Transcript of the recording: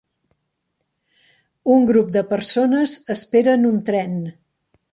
Un grup de persones esperen un tren.